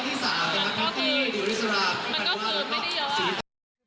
มันก็เติมมันก็เติมไม่ได้เยอะค่ะ